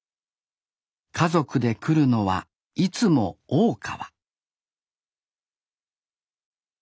家族で来るのはいつも大川